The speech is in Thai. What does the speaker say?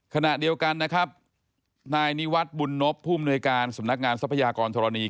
ขณะเดียวกันนะครับนายนิวัฒน์บุญนบผู้มนวยการสำนักงานทรัพยากรธรณี